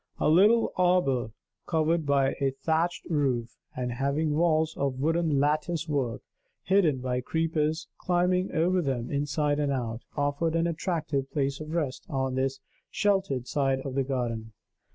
A little arbor covered by a thatched roof, and having walls of wooden lattice work, hidden by creepers climbing over them inside and out, offered an attractive place of rest on this sheltered side of the garden.